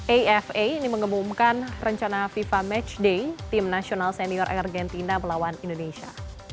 afa mengemumkan rencana fifa match day tim nasional senior argentina melawan indonesia